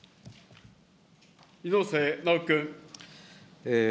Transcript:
猪瀬直樹君。